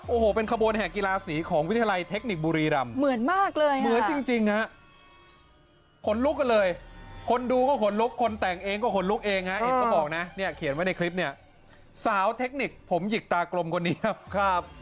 โอ้โหเป็นขบวนแห่งกีฬาสีของวิทยาลัยเทคนิคบุรีรำ